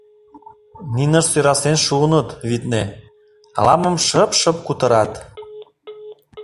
Нинышт сӧрасен шуыныт, витне, ала-мом шып-шып кутырат.